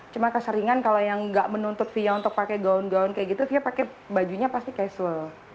cuma keseringan kalau yang nggak menuntut fia untuk pakai gaun gaun kayak gitu fia pakai bajunya pasti casual